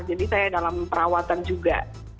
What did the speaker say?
jadi saya dalam perawatan juga